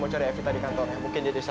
itu udah mau on air ya